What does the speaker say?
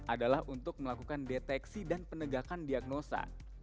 adalah untuk melakukan deteksi dan penegakan diagnosa